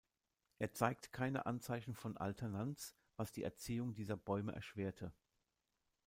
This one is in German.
Er zeigt keine Anzeichen von Alternanz, was die Erziehung dieser Bäume erschwerte.